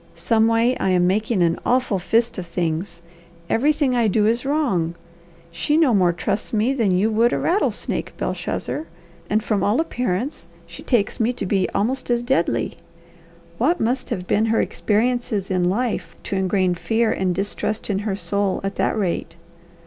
Someway I am making an awful fist of things. Everything I do is wrong. She no more trusts me than you would a rattlesnake, Belshazzar; and from all appearance she takes me to be almost as deadly. What must have been her experiences in life to ingrain fear and distrust in her soul at that rate?